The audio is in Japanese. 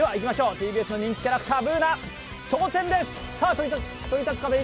ＴＢＳの人気キャラクター、挑戦です。